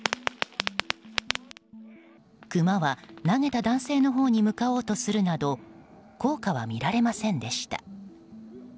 クマは投げた男性のほうに向かおうとするなど効果は見られませんでした。